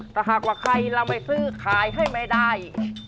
ถ้าหากว่าใครเราไม่ซื้อขายให้ไม่ได้